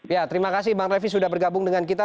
ya terima kasih bang refli sudah bergabung dengan kita